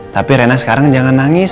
tapi rena sekarang jangan nangis